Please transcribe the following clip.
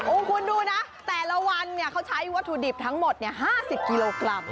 คุณดูนะแต่ละวันเขาใช้วัตถุดิบทั้งหมด๕๐กิโลกรัม